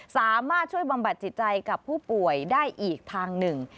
สามารถช่วยบำบัดจิตใจกับผู้ป่วยได้อีกทางหนึ่ง